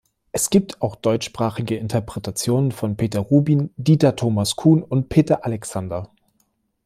Es gibt auch deutschsprachige Interpretationen von Peter Rubin, Dieter Thomas Kuhn und Peter Alexander.